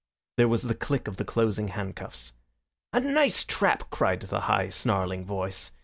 There was the click of the closing handcuffs. "A nice trap!" cried the high, snarling voice.